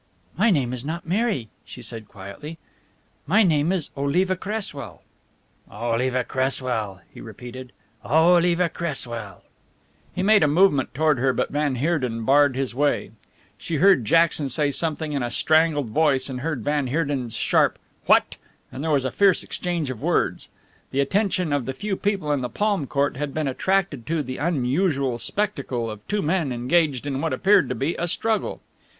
"My name is not Mary," she said quietly. "My name is Oliva Cresswell." "Oliva Cresswell," he repeated. "Oliva Cresswell!" He made a movement toward her but van Heerden barred his way. She heard Jackson say something in a strangled voice and heard van Heerden's sharp "What!" and there was a fierce exchange of words. The attention of the few people in the palm court had been attracted to the unusual spectacle of two men engaged in what appeared to be a struggle.